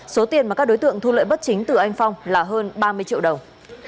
số tiền mà các đối tượng thu lợi bất chính từ anh phong là hơn ba mươi triệu đồng